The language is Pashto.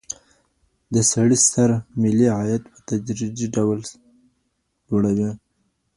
د سړي سر ملي عايد په تدريجي ډول لوړيږي.